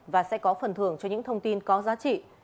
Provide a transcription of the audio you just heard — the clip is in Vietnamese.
và sẽ có phần thưởng cho những thông tin có giá trị